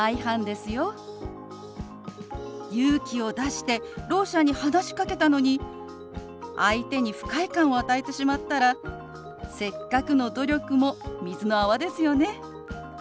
勇気を出してろう者に話しかけたのに相手に不快感を与えてしまったらせっかくの努力も水の泡ですよね。